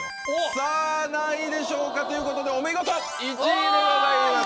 さぁ何位でしょうか？ということでお見事１位でございます。